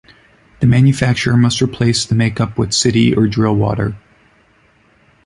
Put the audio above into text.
The manufacturer must replace the make-up with city or drill water.